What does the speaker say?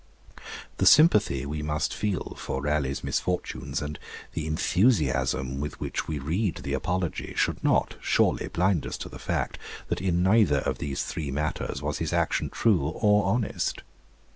The sympathy we must feel for Raleigh's misfortunes, and the enthusiasm with which we read the Apology, should not, surely, blind us to the fact that in neither of these three matters was his action true or honest.